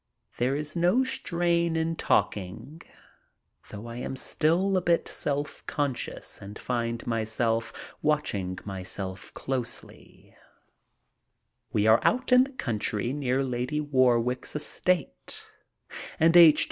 There is no strain in talking, though I am still a bit self conscious and find myself watching myself closely. 130 MY TRIP ABROAD We are out in the country, near Lady Warwick's estate, and H.